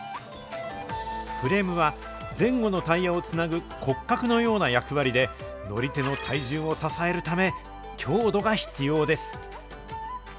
フレームは前後のタイヤをつなぐ骨格のような役割で、乗り手の体重を支えるため、強度が必要です。